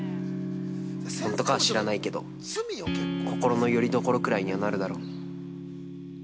本当かは知らないけど心のよりどころぐらいにはなるだろ。